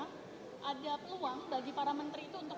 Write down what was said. tadi para kuasa hukum kemohon satu mengatakan kalau menteri menteri datang